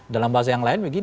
dalam bahasa yang lain begini